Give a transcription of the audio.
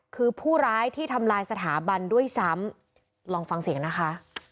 คือผู้ร้ายที่ทำลายสถาบันด้วยซ้ำลองฟังเสียงนะคะ